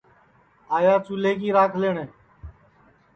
آیا چُولے کی راکھ لئٹؔے